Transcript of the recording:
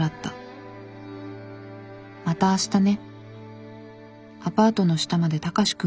『うんまた明日ね』」